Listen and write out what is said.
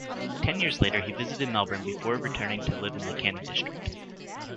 Ten years later he visited Melbourne before returning to live in the Canning district.